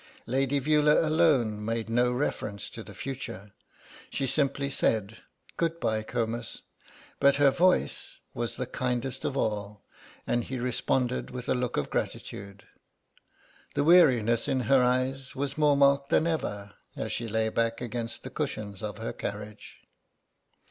Lady Veula alone made no reference to the future; she simply said, "Good bye, Comus," but her voice was the kindest of all and he responded with a look of gratitude. The weariness in her eyes was more marked than ever as she lay back against the cushions of her carriage.